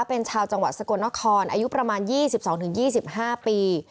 เป็นชาวจังหวัดสกลนครอายุประมาณ๒๒๒๕ปี